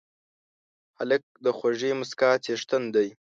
هلک د خوږې موسکا څښتن دی.